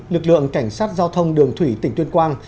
lực lượng cảnh sát giao thông đường thủy tỉnh tuyên quang